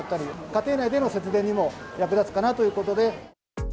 家庭内での節電にも役立つかなということで。